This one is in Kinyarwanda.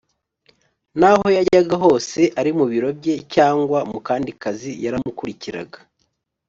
N’aho yajyaga hose ari mu biro bye cyangwa mu kandi kazi yaramukurikiraga